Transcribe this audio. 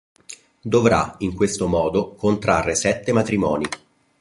Dovrà, in questo modo, contrarre sette matrimoni.